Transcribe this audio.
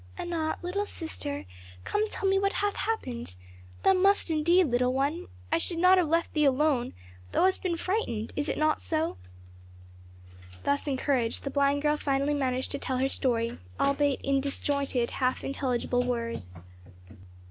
"Anat, little sister, come, tell me what hath happened. Thou must indeed, little one. I should not have left thee alone; thou hast been frightened, is it not so?" Thus encouraged the blind girl finally managed to tell her story, albeit in disjointed, half intelligible words.